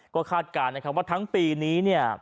ก็คาดการณ์ว่าทั้งปีนี้